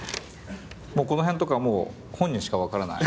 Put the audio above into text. もうこの辺とかもう本人しか分からない。